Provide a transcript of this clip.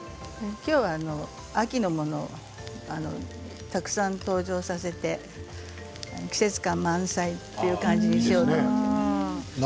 きょうは、秋のものをたくさん登場させて季節感満載という感じにしようと思っています。